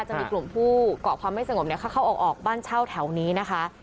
จะมีกลุ่มผู้เกาะความไม่สงบเข้าออกบ้านเช่าแถวนี้นะคะ